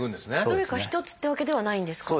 どれか一つってわけではないんですか？